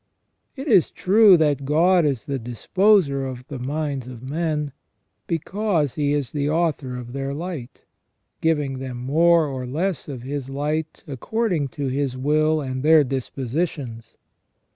It is true that God is the disposer of the minds of men, because He is the Author of their light, giving them more or less of His light according to His will and their dispositions.